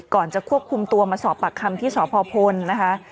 จะควบคุมตัวมาสอบปากคำที่สพพลนะคะ